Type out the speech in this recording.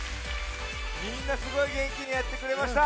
みんなすごいげんきにやってくれました。